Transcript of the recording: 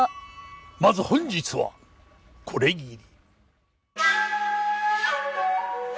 まず本日はこれぎり。